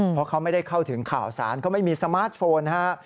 เพราะเขาไม่ได้เข้าถึงข่าวสารเขาไม่มีสมาร์ทโฟนนะฮะ